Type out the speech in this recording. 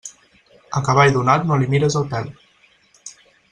A cavall donat no li mires el pèl.